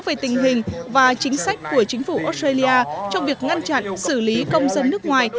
về tình hình và chính sách của chính phủ australia trong việc ngăn chặn xử lý công dân nước ngoài